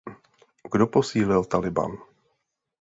Kdo posílil Talibán?